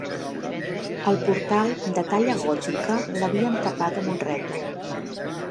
El portal, de talla gòtica, l'havien tapat am un rètol